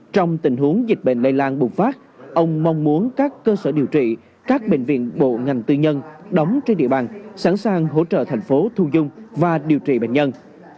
trong tình huống dịch bệnh lây lan bùng phát ông mong muốn các cơ sở điều trị các bệnh viện bộ ngành tư nhân đóng trên địa bàn sẵn sàng hỗ trợ thành phố thu dung và điều trị bệnh nhân